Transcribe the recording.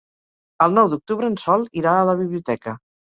El nou d'octubre en Sol irà a la biblioteca.